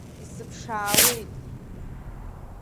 Исыԥшаауеит.